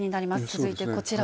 続いてこちら。